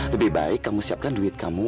lebih baik kamu siapkan duit kamu